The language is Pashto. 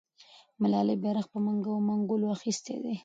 ملالۍ بیرغ په منګولو اخیستی دی.